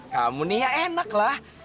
kamu nih ya enak lah